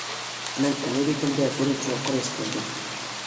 مەن ئەمەلىيىتىمدە بۇنى چوڭقۇر ھېس قىلدىم.